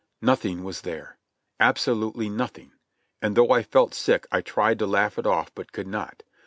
Nothing was there ! Absolutely nothing; and though I felt sick I tried to laugh it ofif but could not.